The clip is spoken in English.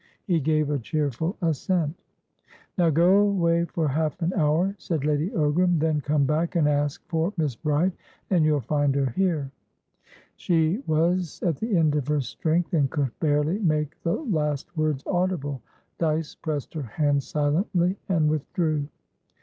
He gave a cheerful assent. "Now go away for half an hour," said Lady Ogram. "Then come back, and ask for Miss Bride, and you'll find her here." She was at the end of her strength, and could barely make the last words audible. Dyce pressed her hand silently, and withdrew.